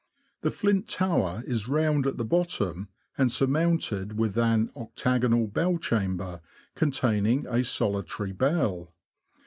The flint tower is round at the bottom, and surmounted with an octagonal bell chamber, containing a solitary bell.